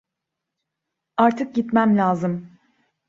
Artık gitmem lazım.